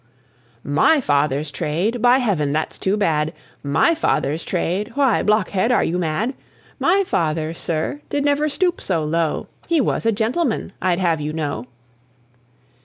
"My father's trade! by heaven, that's too bad! My father's trade? Why, blockhead, are you mad? My father, sir, did never stoop so low He was a gentleman, I'd have you know."